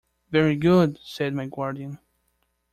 "Very good," said my guardian.